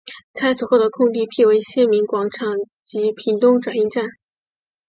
拆除后的空地辟为县民广场及屏东转运站。